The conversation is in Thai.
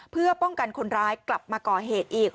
เพื่อป้องกันคนร้ายกลับมาก่อเหตุอีก